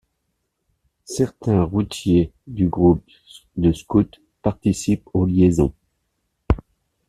Certains routiers du groupe de scouts participent aux liaisons.